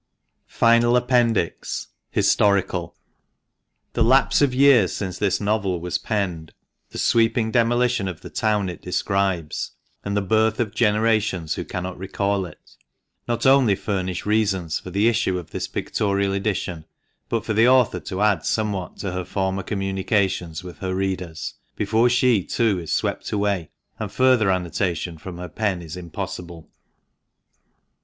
FINAL APPENDIX (HISTORICAL.) The lapse of years since this novel was penned, the sweeping demolition of the town it describes, and the birth of generations who cannot recall it, not only furnish reasons for the issue of this pictorial edition, but for the author to add somewhat to her former communications with her readers, before she, too, is swept away, and further annotation from her pen is impossible.